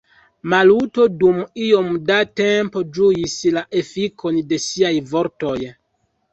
Maluto dum iom da tempo ĝuis la efikon de siaj vortoj.